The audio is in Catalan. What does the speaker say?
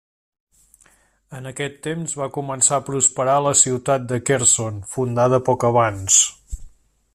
En aquest temps va començar a prosperar la ciutat de Kherson, fundada poc abans.